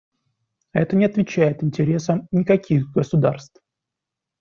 А это не отвечает интересам никаких государств.